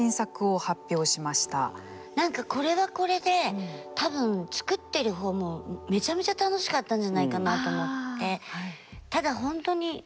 何かこれはこれで多分作ってる方もめちゃめちゃ楽しかったんじゃないかなと思って。